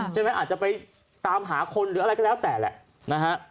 อาจจะไปตามหาคนหรืออะไรก็แล้วแต่แหละนะฮะ